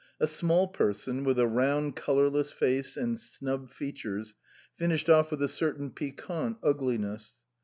A small person, with a round colourless face and snub features finished off with a certain piquant ugliness.